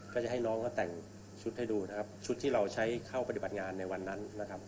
ก็จะให้น้องก็แต่งชุดให้ดูชุดที่เราใช้เข้าปฏิบัติงานในวันนั้น